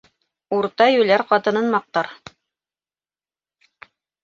Урта йүләр ҡатынын маҡтар